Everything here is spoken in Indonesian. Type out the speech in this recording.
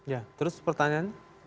ya terus pertanyaannya